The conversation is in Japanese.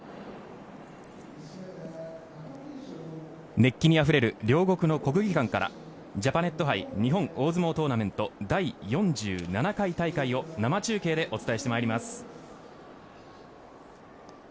熱気にあふれる両国の国技館からジャパネット杯日本大相撲トーナメント第４７回大会を生中継でお伝えしてまいります。